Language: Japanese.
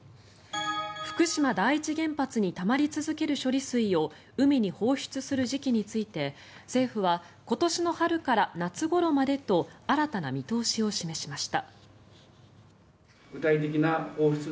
福島第一原発にたまり続ける処理水を海に放出する時期について政府は今年の春から夏ごろまでと新たな見通しを示しました。